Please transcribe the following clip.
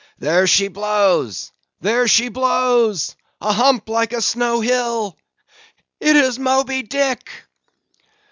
"There she blows!—there she blows! A hump like a snow hill! It is Moby Dick!"